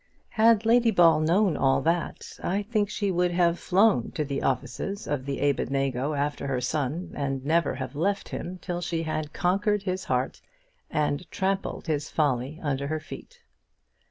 Had Lady Ball known all that, I think she would have flown to the offices of the Abednego after her son, and never have left him till she had conquered his heart and trampled his folly under her feet.